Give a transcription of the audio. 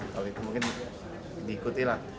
kalau itu mungkin diikuti lah